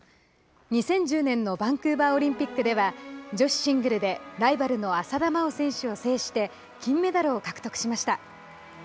２０１０年のバンクーバーオリンピックでは女子シングルでライバルの浅田真央選手を制して金メダルを獲得しました。